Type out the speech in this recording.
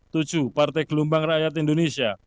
tujuh partai gelombang rakyat indonesia